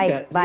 oke baik baik